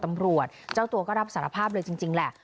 ตำรวจเจ้าตัวก็รับสารภาพเลยจริงแหละ